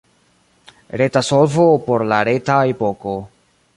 Reta solvo por la reta epoko.